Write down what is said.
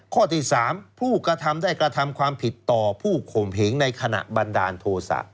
ข้อที่๓ผู้กระทำได้กระทำความผิดต่อผู้ข่มเหงในขณะบันดาลโทษะ